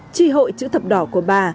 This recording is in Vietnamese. chi hội chữ thập đỏ của bà